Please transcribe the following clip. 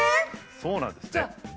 そうなんですって。